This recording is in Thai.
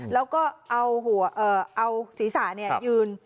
และเอาสีสะยืน